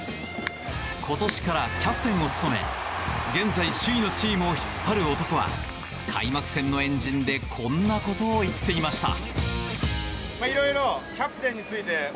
今年からキャプテンを務め現在首位のチームを引っ張る男は開幕戦の円陣でこんなことを言っていました。